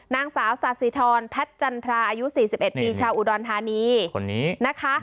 นางสาวสาธิธรณพัชจันทราอายุสี่สิบเอ็ดมีชาวอุดรธานีคนนี้นะคะ